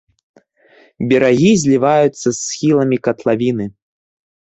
Берагі зліваюцца з схіламі катлавіны.